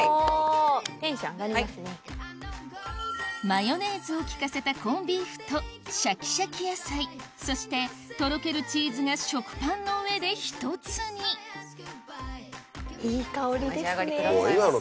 マヨネーズを利かせたコンビーフとシャキシャキ野菜そしてとろけるチーズが食パンの上で１つにお召し上がりくださいませ。